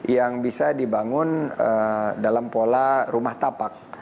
yang bisa dibangun dalam pola rumah tapak